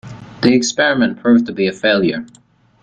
The experiment proved to be a failure.